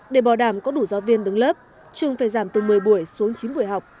để bảo đảm có đủ giáo viên đứng lớp trường phải giảm từ một mươi buổi xuống chín buổi học